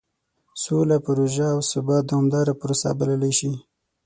سوله پروژه او ثبات دومداره پروسه بللی شي.